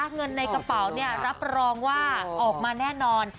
เงินในกระเป๋ารับรองว่าออกมาแน่นอน